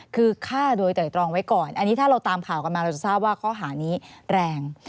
คือฆ่าโดยไตรตรองไว้ก่อนอันนี้ถ้าเราตามข่าวกันมาเราจะทราบว่าข้อหานี้แรง